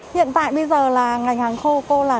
hiện tại bây giờ là